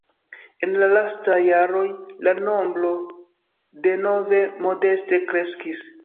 En la lastaj jaroj la nombro de nove modeste kreskis.